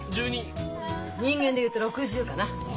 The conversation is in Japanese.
人間で言うと６０かな。